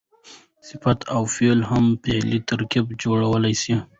صفت او فعل هم فعلي ترکیب جوړولای سي.